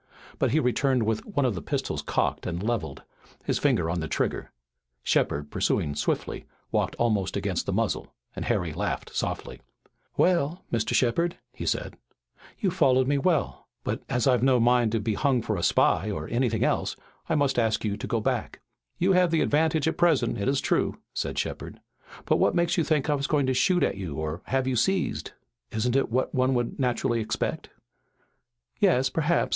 But he returned with one of the pistols cocked and levelled, his finger on the trigger. Shepard, pursuing swiftly, walked almost against the muzzle, and Harry laughed softly. "Well, Mr. Shepard," he said, "you've followed me well, but as I've no mind to be hung for a spy or anything else, I must ask you to go back." "You have the advantage at present, it is true," said Shepard, "but what makes you think I was going to shoot at you or have you seized?" "Isn't it what one would naturally expect?" "Yes perhaps.